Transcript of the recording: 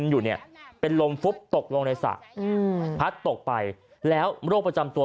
อยู่เนี่ยเป็นลมฟุบตกลงในสระพัดตกไปแล้วโรคประจำตัว